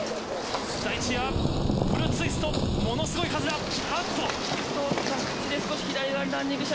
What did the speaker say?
ものすごい風だ。